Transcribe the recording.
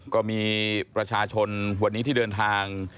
ก็มีประชาชนวันนี้ที่เดินทาง